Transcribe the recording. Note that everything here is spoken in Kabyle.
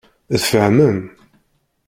Tfehmem?